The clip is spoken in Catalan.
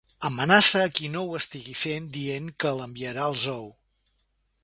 Amenaça a qui ho estigui fent dient que l'enviarà al zoo.